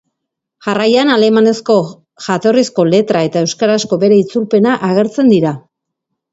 Jarraian, alemanezko jatorrizko letra eta euskarazko bere itzulpena agertzen dira.